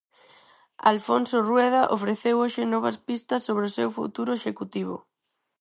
Alfonso Rueda ofreceu hoxe novas pistas sobre o seu futuro Executivo.